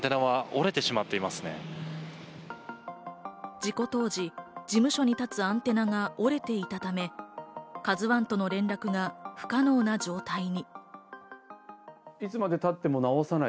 事故当時、事務所に立つアンテナが折れていたため、「ＫＡＺＵ１」との連絡が不可能な状態に。